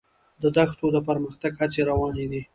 د دښتو د پرمختګ هڅې روانې دي.